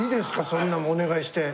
そんなもうお願いして。